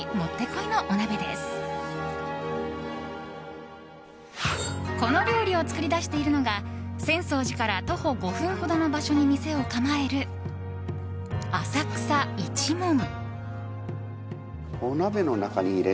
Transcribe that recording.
この料理を作り出しているのが浅草寺から徒歩５分ほどの場所に店を構える浅草一文。